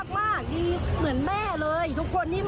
คุณผู้ชมคุณผู้ชมคุณผู้ชม